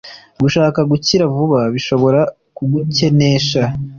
gushaka gukira vuba bishobora kugukenesha